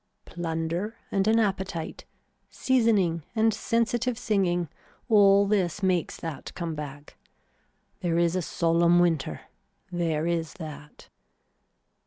Plunder and an appetite, seasoning and sensitive singing all this makes that come back. There is a solemn winter. There is that.